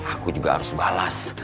aku juga harus balas